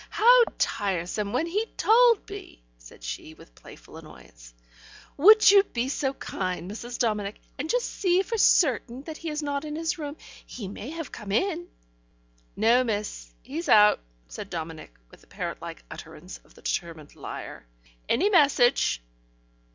How tiresome, when he told me " said she, with playful annoyance. "Would you be very kind, Mrs. Dominic, and just see for certain that he is not in his room? He may have come in." "No, miss, he's out," said Dominic, with the parrot like utterance of the determined liar. "Any message?"